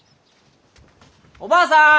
おばあさん！